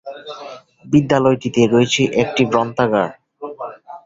বিদ্যালয়টিতে রয়েছে একটি গ্রন্থাগার।